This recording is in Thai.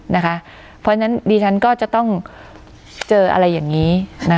เพราะฉะนั้นดิฉันก็จะต้องเจออะไรอย่างนี้